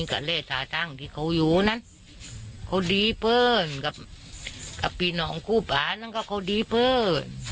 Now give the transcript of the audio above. กาเลสาทางที่เขาอยู่นั้นเขาดีเพลินกับกับพี่น้องคู่ปานั้นก็เขาดีเพลิน